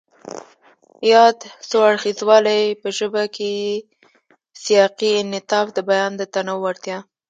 ياد څو اړخیزوالی په ژبه کې سیاقي انعطاف، د بیان د تنوع وړتیا،